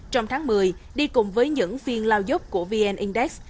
trong tháng một mươi đi cùng với những phiên lao dốc của vn index